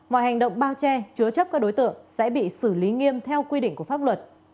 mọi hành động bao che chứa chấp các đối tượng sẽ bị xử lý nghiêm theo quy định của pháp luật